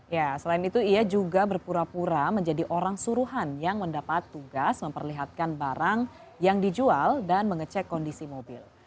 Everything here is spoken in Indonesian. ya selain itu ia juga berpura pura menjadi orang suruhan yang mendapat tugas memperlihatkan barang yang dijual dan mengecek kondisi mobil